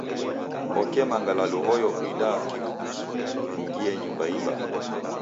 Oke mangalalu hoyo uidaa kirudusu ungie nyumba i mbaa.